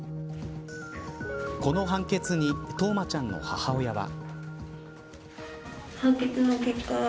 この判決に冬生ちゃんの母親は。